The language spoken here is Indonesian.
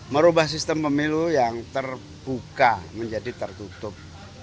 merubah sistem pemilu yang terbuka menjadi tertutup